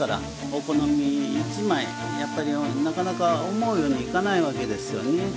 お好み一枚やっぱりなかなか思うようにはいかないわけですよね。